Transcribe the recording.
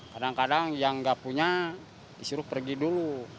kadang kadang yang nggak punya disuruh pergi dulu